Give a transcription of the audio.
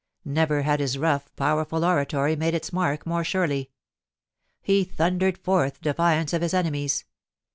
Never had his rough, powerful oratory made its mark more surely. He thundered forth defiance of his enemies.